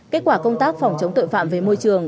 kết quả công tác phòng chống tội phạm về môi trường